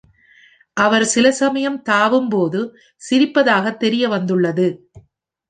அவர் சில சமயம் தாவும் போது சிரிப்பதாக தெரிய வந்துள்ளது.